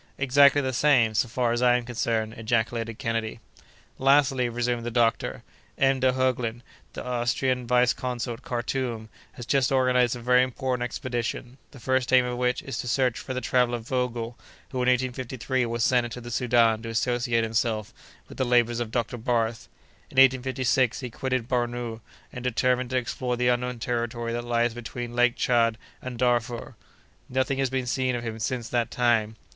"Exactly the same, so far as I am concerned," ejaculated Kennedy. "Lastly," resumed the doctor, "M. de Heuglin, the Austrian vice consul at Karthoum, has just organized a very important expedition, the first aim of which is to search for the traveller Vogel, who, in 1853, was sent into the Soudan to associate himself with the labors of Dr. Barth. In 1856, he quitted Bornou, and determined to explore the unknown country that lies between Lake Tchad and Darfur. Nothing has been seen of him since that time.